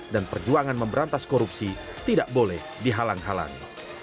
dan perjuangan memberantas korupsi tidak boleh dihalang halangi